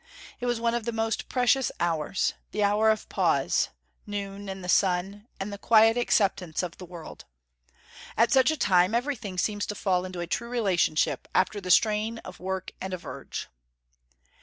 It was one of the most precious hours: the hour of pause, noon, and the sun, and the quiet acceptance of the world. At such a time everything seems to fall into a true relationship, after the strain of work and of urge.